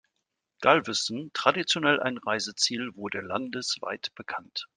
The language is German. Galveston, traditionell ein Reiseziel, wurde landesweit bekannt.